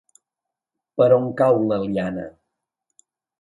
Per on cau l'Eliana?